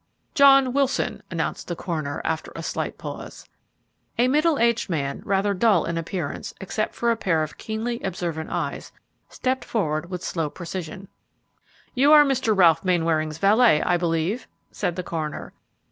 "John Wilson," announced the coroner, after a slight pause. A middle aged man, rather dull in appearance, except for a pair of keenly observant eyes, stepped forward with slow precision. "You are Mr. Ralph Mainwaring's valet, I believe?" said the coroner.